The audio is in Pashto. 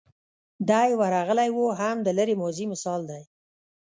دی ورغلی و هم د لرې ماضي مثال دی.